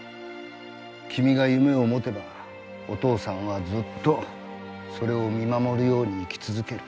君が夢を持てばお父さんはずっとそれを見守るように生き続ける。